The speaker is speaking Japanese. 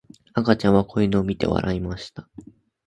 赤ちゃんは子犬を見て笑いました。